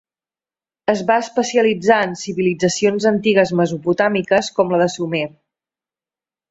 Es va especialitzar en civilitzacions antigues mesopotàmiques com la de Sumer.